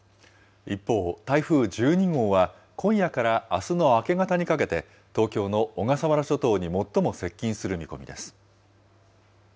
一方、台風１２号は、今夜からあすの明け方にかけて東京の小笠原諸島に最も接近する見込みです。